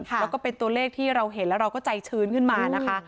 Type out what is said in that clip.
แล้วก็เป็นตัวเลขที่เราเห็นแล้วเราก็ใจชื้นขึ้นมานะคะ